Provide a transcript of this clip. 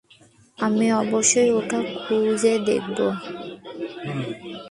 আমি অবশ্যই ওটা খুঁজে দেখব।